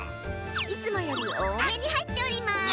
いつもよりおおめにはいっております！